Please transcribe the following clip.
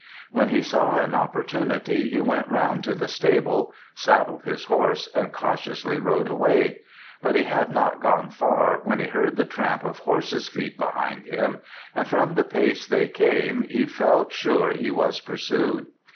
When he saw an opportunity, he went round to the stable, saddled his horse, and cautiously rode away. But he had not gone far, when he heard the tramp of horses' feet behind him, and from the pace they came, he felt sure he was pursued.